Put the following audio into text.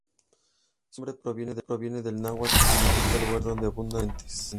Su actual nombre proviene del náhuatl que significa "lugar donde abundan las serpientes".